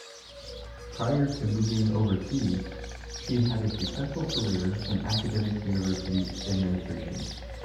Prior to moving overseas, she had a successful career in academic university administration.